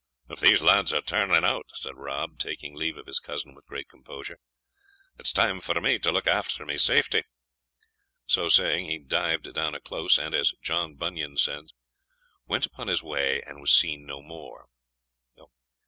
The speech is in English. "If these lads are turning out," said Rob, taking leave of his cousin with great composure, "it is time for me to look after my safety." So saying, he dived down a close, and, as John Bunyan says, "went upon his way and was seen no more."